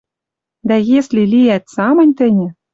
Дӓ, если лиӓт самынь тӹньӹ